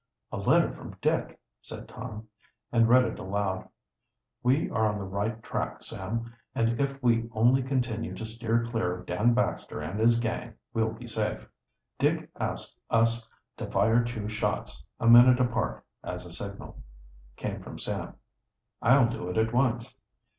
"A letter from Dick," said Tom, and read it aloud. "We are on the right track, Sam, and if we only continue to steer clear of Dan Baxter and his gang we'll be safe." "Dick asks us to fire two shots, a minute apart, as a signal," came from Sam. "I'll do it at once."